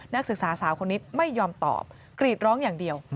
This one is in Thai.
นักศึกษาสาวคนนี้ไม่ยอมตอบกรีดร้องอย่างเดียว